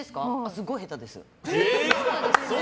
すごいへたです。